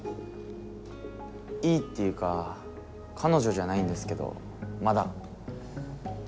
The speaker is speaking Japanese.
いいっていうか彼女じゃないんですけどまだ。